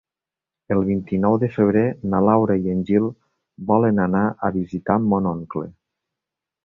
El vint-i-nou de febrer na Laura i en Gil volen anar a visitar mon oncle.